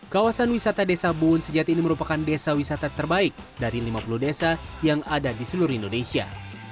kawasan wisata desa buwun sejati ini merupakan desa wisata terbaik dari lima puluh desa yang ada di seluruh indonesia